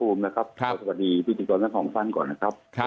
ครับคุณพระคุมนะครับสวัสดีพิจิฏรนักห่องฟันก่อนนะครับ